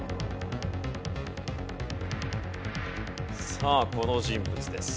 さあこの人物です。